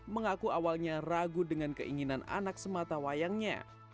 mengaku awalnya ragu dengan keinginan anak semata wayangnya